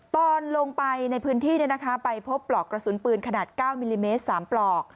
ตอนลงไปในพื้นที่ไปพบปลอกกระสุนปืนขนาด๙มิลลิเมตร๓ปลอก